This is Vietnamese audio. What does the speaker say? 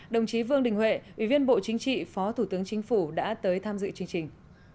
đồng chí vương đình huệ ủy viên bộ chính trị phó thủ tướng chính phủ đã tới tham dự chương trình